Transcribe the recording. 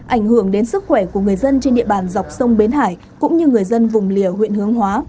ảnh hưởng đến sức khỏe của người dân trên địa bàn dọc sông bến hải cũng như người dân vùng lìa huyện hướng hóa